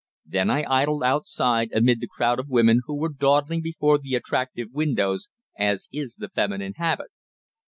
Then I idled outside amid the crowd of women who were dawdling before the attractive windows, as is the feminine habit.